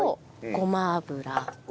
ごま油。